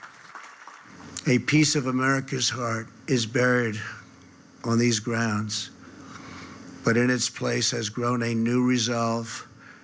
การสร้างชีวิตที่เหมือนกับฮีโร่แห่งเที่ยวบิน๙๓